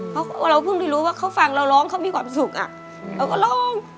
เพราะเราเพิ่งจะรู้ว่าเค้าฟังเราร้องมีความสุขเราก็ร้อง